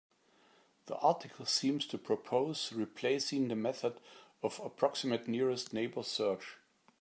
The article seems to propose replacing the method of approximate nearest neighbor search.